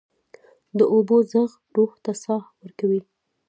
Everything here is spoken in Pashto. د اوبو ږغ روح ته ساه ورکوي.